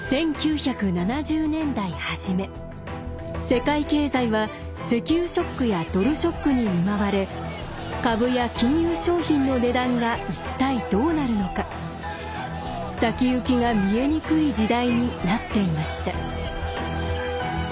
世界経済は石油ショックやドルショックに見舞われ株や金融商品の値段が一体どうなるのか先行きが見えにくい時代になっていました。